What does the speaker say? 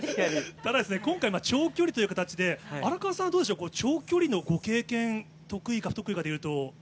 ただ、今回は長距離という形で荒川さん、どうでしょう、この長距離のご経験、得意か不得意かでいうと。